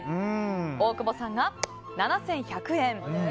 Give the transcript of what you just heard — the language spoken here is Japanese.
大久保さんが７１００円。